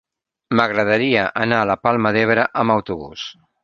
M'agradaria anar a la Palma d'Ebre amb autobús.